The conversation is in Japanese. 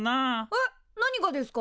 えっ何がですか？